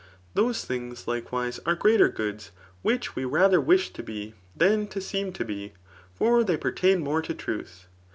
Those thmgs, likewise, are greater goods which we rather wish to be than to seem to be ; for they pertain more to truth.